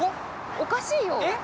おかしいよえっ？